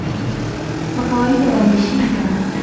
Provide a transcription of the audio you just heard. Kwa kawaida walishinda.